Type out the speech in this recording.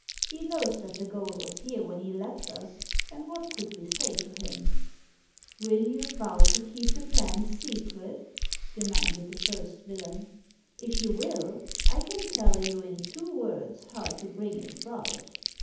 He knows that the gold was here when he left us, and what could we say to him ?" "Will you vow to keep the plan secret ?" demanded the first villain. " If you will, I can tell you in two words how to bring it about."